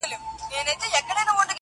o له دې نه مخكي چي ته ما پرېږدې.